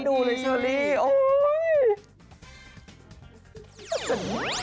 ดูหน่อยชีวิต